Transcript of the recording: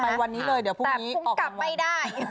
ไปวันนี้เลยเดี๋ยวพรุ่งนี้ออกกันวันแต่พรุ่งกลับไม่ได้